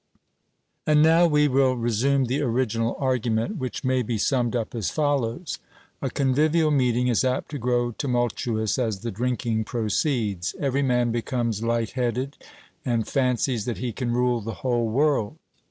And now we will resume the original argument, which may be summed up as follows: A convivial meeting is apt to grow tumultuous as the drinking proceeds; every man becomes light headed, and fancies that he can rule the whole world.